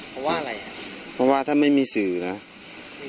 เพราะว่าถ้าไม่มีสื่อแล้ว